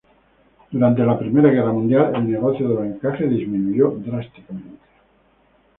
Durante la Primera Guerra Mundial el negocio de los encajes disminuyó drásticamente.